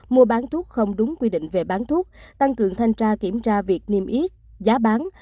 mua bán thuốc không đúng quy định về bán thuốc tăng cường thanh tra kiểm tra việc niêm yết giá bán